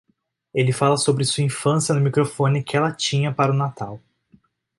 Ele fala sobre sua infância no microfone que ela tinha para o Natal.